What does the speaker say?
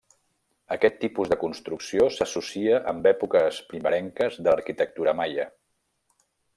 Aquest tipus de construcció s'associa amb èpoques primerenques de l'arquitectura maia.